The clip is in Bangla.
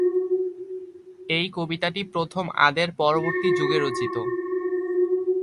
এই কবিতাটি প্রথম আদের পরবর্তী যুগে রচিত।